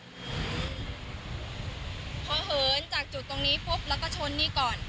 พอเหินจากจุดตรงนี้ปุ๊บแล้วก็ชนนี่ก่อน